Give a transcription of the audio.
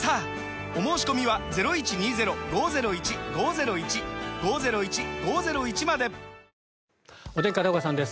お申込みはお天気、片岡さんです。